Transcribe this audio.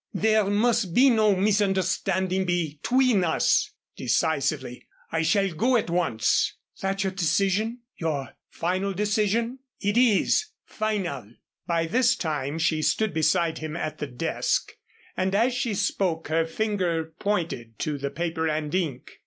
"There must be no misunderstanding between us," decisively, "I shall go at once." "That's your decision your final decision?" "It is final." By this time she stood beside him at the desk, and as she spoke her finger pointed to the paper and ink.